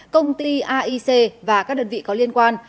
công ty aic và các đơn vị có liên quan